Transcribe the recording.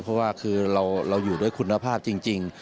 เพราะว่าคือเราอยู่ด้วยคุณภาพจริง